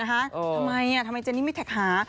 ทำไมเจนี่ไม่แท็กหา